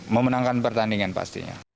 memenangkan pertandingan pastinya